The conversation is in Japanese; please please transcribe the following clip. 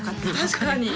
確かに。